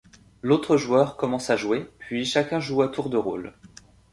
L’autre joueur commence à jouer, puis chacun joue à tour de rôle.